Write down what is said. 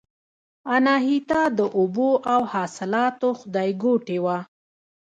اناهیتا د اوبو او حاصلاتو خدایګوټې وه